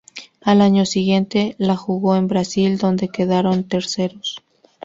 Al año siguiente la jugó en Brasil, donde quedaron terceros.